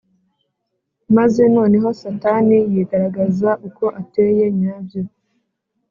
, maze noneho Satani yigaragaza uko ateye nyabyo